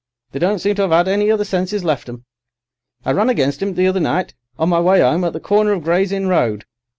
They don't seem to 'ave any other senses left 'em. I ran against 'im the other night, on my way 'ome, at the corner of Gray's Inn Road.